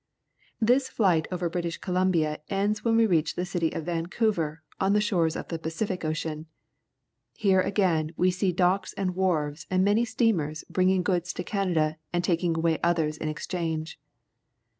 This flight over British Columbia ends when we reach the city of Vancouver, on the shores of the Pacific Ocean. Here again we see docks and wharves and many steamers bringing goods to Canada and taking away others in exchange.